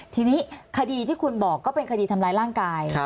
ทีนี้คดีที่คุณบอกก็เป็นคดีทำร้ายร่างกาย